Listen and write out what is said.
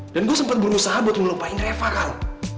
dan gue sempet berusaha buat ngelupain reva kal